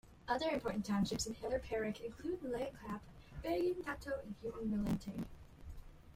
Other important townships in Hilir Perak include Langkap, Bagan Datoh, and Hutan Melintang.